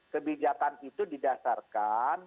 kebijakan itu didasarkan